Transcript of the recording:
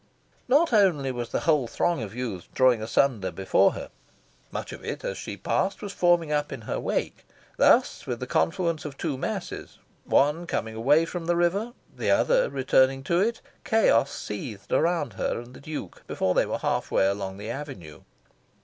Not only was the whole throng of youths drawing asunder before her: much of it, as she passed, was forming up in her wake. Thus, with the confluence of two masses one coming away from the river, the other returning to it chaos seethed around her and the Duke before they were half way along the avenue.